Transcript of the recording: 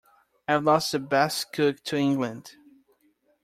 I've lost the best cook to England.